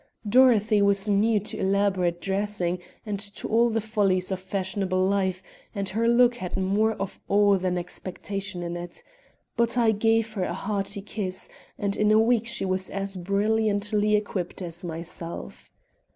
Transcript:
Dorothy was new to elaborate dressing and to all the follies of fashionable life, and her look had more of awe than expectation in it. But I gave her a hearty kiss and in a week she was as brilliantly equipped as myself.